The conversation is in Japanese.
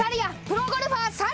プロゴルファー猿や！